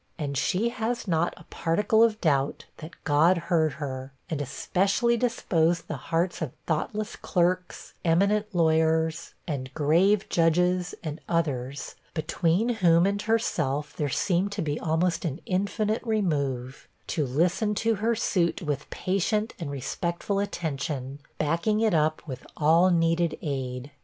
And she has not a particle of doubt, that God heard her, and especially disposed the hearts of thoughtless clerks, eminent lawyers, and grave judges and others between whom and herself there seemed to her almost an infinite remove to listen to her suit with patient and respectful attention, backing it up with all needed aid.